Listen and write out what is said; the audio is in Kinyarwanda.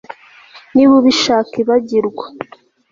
niba ubishaka, ibagirwa